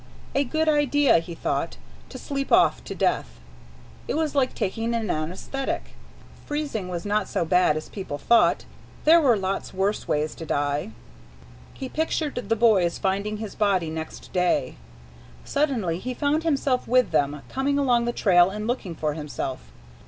A good idea, he thought, to sleep off to death. It was like taking an anæsthetic. Freezing was not so bad as people thought. There were lots worse ways to die. He pictured the boys finding his body next day. Suddenly he found himself with them, coming along the trail and looking for himself.